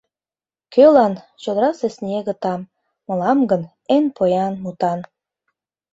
Кӧлан — чодырасе снеге там, Мылам гын — эн поян мутан.